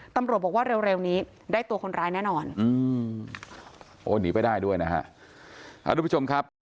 ตำรวจบอกว่าเร็วเร็วนี้ได้ตัวคนร้ายแน่นอนอืมโอ้หนีไปได้ด้วยนะฮะอ่าทุกผู้ชมครับ